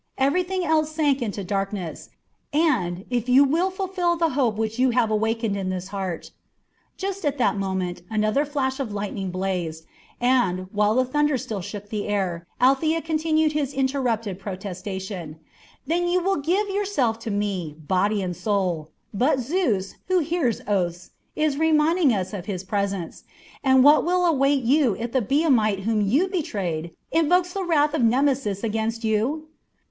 Everything else sank into darkness, and, if you will fulfil the hope which you awakened in this heart " Just at that moment another flash of lightning blazed, and, while the thunder still shook the air, Althea continued his interrupted protestation: "Then you will give yourself to me, body and soul but Zeus, who hears oaths, is reminding us of his presence and what will await you if the Biamite whom you betrayed invokes the wrath of Nemesis against you?"